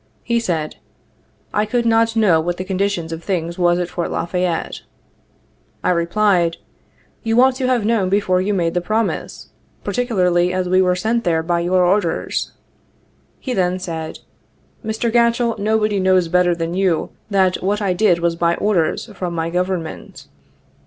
He said, ' I could not know what the condition of things was at La Fayette.' I replied, ' You ought to have known before you made the promise, particularly as we were sent there by your orders.' He then said, ' Mr. Gatchell, nobody knows better than you that what I did was by orders from my Government.